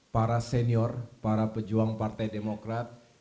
para senior para pejuang partai demokrat